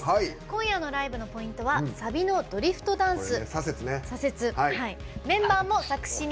今夜のライブのポイントはサビのドリフトダンス。